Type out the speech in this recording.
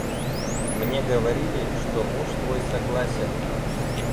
Мне говорили, что муж твой согласен.